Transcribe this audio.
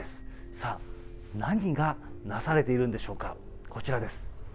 さあ、何がなされているんでしょうか、こちらです。